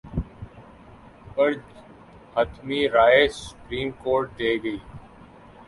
پر حتمی رائے supreme court دے گی۔